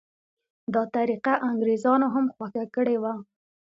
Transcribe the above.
دا طریقه انګریزانو هم خوښه کړې وه.